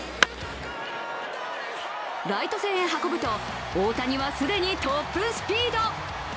ライト線へ運ぶと大谷は既にトップスピード。